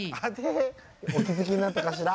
お気づきになったかしら。